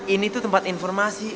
ini tuh tempat informasi